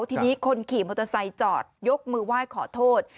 ทีนี้คนขี่มอเตอร์ไซค์จอดยกมือไหว้ขอโทษ